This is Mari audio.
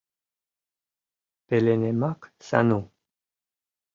Пеленемак Сану.